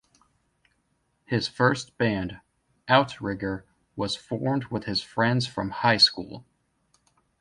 His first band, Outrigger, was formed with his friends from high school.